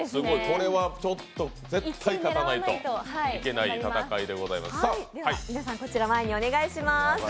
これは絶対勝たないといけない戦いでございます。